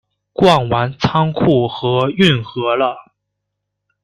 逛完仓库和运河了